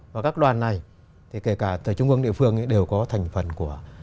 và các đoàn này kể cả trung ương địa phương đều có thành phần của